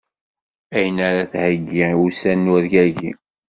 Ayen ara theggi i wussan n urgigi.